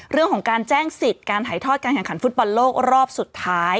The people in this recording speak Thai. เรื่องของการแจ้งสิทธิ์การถ่ายทอดการแข่งขันฟุตบอลโลกรอบสุดท้าย